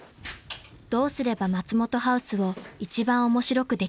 ［どうすれば松本ハウスを一番面白くできるのか］